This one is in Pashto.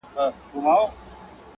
او ډېر لږ خبري کوي